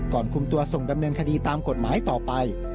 คุมตัวส่งดำเนินคดีตามกฎหมายต่อไป